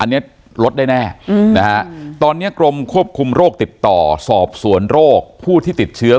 อันนี้ลดได้แน่นะฮะตอนนี้กรมควบคุมโรคติดต่อสอบสวนโรคผู้ที่ติดเชื้อ